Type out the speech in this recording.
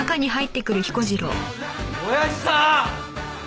親父さん！